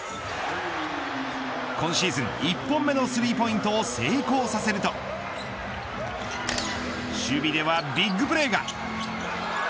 今シーズン、１本目のスリーポイントを成功させると守備ではビッグプレーが。